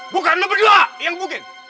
bukan lu berdua yang kebukin